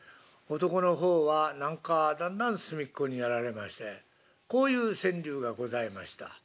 男の方は何かだんだん隅っこにやられましてこういう川柳がございました。